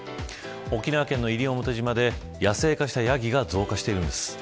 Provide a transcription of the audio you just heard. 沖縄県の西表島で野生化したヤギが増加しているんです。